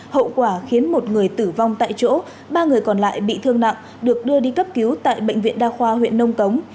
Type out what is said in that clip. hậu quả khiến một người tử vong tại chỗ ba người còn lại bị thương nặng được đưa đi cấp cứu tại bệnh viện đa khoa huyện nông cống